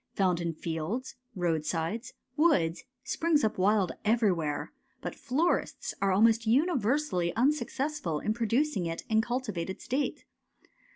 Found in fields, roadsides, woods, springs up wild everywhere, but florists are almost universally unsuccessful in pro ducing it in cultivated state.